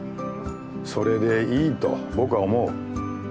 それでいいと僕は思う。